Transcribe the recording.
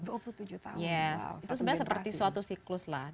itu sebenarnya seperti suatu siklus lah